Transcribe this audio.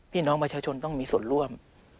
พี่น้องประชาชนต้องมีส่วนร่วม